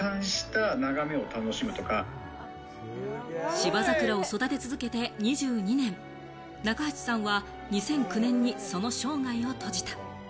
芝桜を育て続けて２２年、中鉢さんは２００９年にその生涯を閉じた。